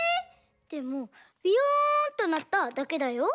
でもビヨンとなっただけだよ。